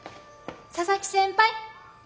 佐々木先輩！